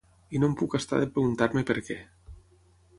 I no em puc estar de preguntar-me per què.